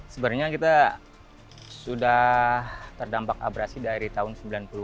sebenarnya kita sudah terdampak abrasi dari tahun sembilan puluh